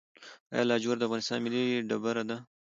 آیا لاجورد د افغانستان ملي ډبره ده؟